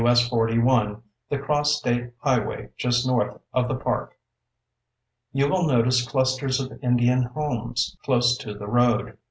S. 41, the cross State highway just north of the park). You will notice clusters of Indian homes close to the road.